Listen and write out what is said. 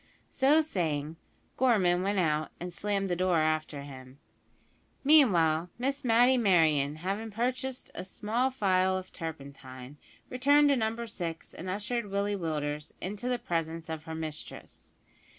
So saying, Gorman went out, and slammed the door after him. Meanwhile, Miss Matty Merryon, having purchased a small phial of turpentine, returned to Number 6, and ushered Willie Willders into the presence of her mistress.